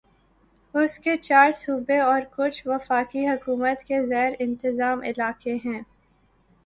اس کے چار صوبے اور کچھ وفاقی حکومت کے زیر انتظام علاقے ہیں